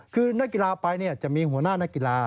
คือนักกีฬาไปจะมีหัวหน้านักกีฬา